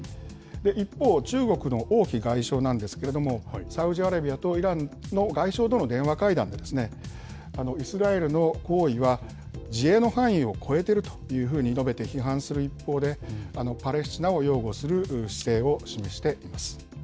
一方、中国の王毅外相なんですけれども、サウジアラビアとイランの外相との電話会談で、イスラエルの行為は自衛の範囲を超えているというふうに述べて批判する一方で、パレスチナを擁護する姿勢を示しています。